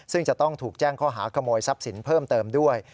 ซึ่งจะต้องถูกแจ้งข้อหาขโมยทรัพย์สินเพิ่มเติมด้วย